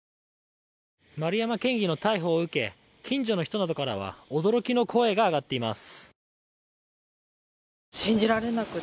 丸山県議の逮捕を受け近所の人からは驚きの声が上がっています。